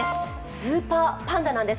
スーパーパンダなんです。